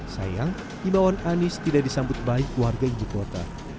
sayang imbauan anies tidak disambut baik warga ibu kota